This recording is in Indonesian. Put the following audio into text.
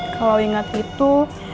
kalau ingat itu